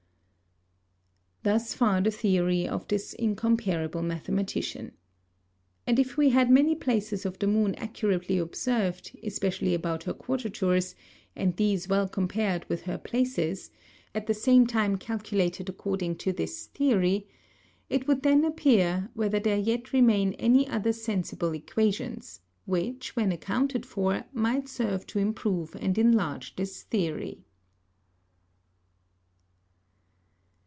Thus far the Theory of this Incomparable Mathematician. And if we had many Places of the Moon accurately observ'd, especially about her Quadratures, and these well compar'd with her Places, at the same time calculated according to this Theory; it would then appear, whether there yet remain any other sensible Equations; which when accounted for, might serve to improve and enlarge this Theory.